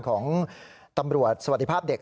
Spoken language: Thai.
ของตำรัวสวฤษภาพเด็ก